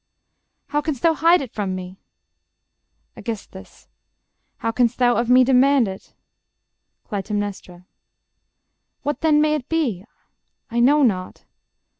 How Canst thou hide it from me? Aegis. How canst thou Of me demand it? Cly. What then may it be? ... I know not